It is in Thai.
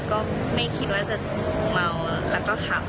ก็ไม่คิดว่าจะเมาแล้วก็ขับ